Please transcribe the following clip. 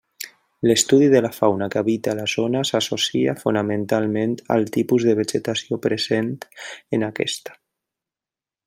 L'estudi de la fauna que habita la zona s'associa fonamentalment al tipus de vegetació present en aquesta.